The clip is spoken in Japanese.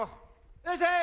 いらっしゃい！